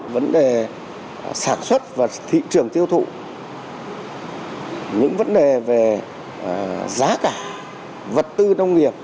vấn đề sản xuất và thị trường tiêu thụ những vấn đề về giá cả vật tư nông nghiệp